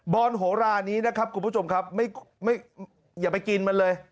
อนโหรานี้นะครับคุณผู้ชมครับไม่อย่าไปกินมันเลย